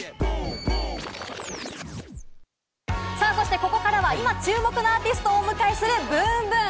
ここからは今注目のアーティストをお迎えするｂｏｏｍｂｏｏｍ！